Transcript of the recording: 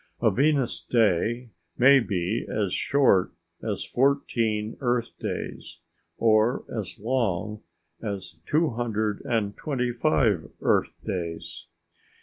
A Venus day may be as short as fourteen Earth days or as long as two hundred and twenty five Earth days.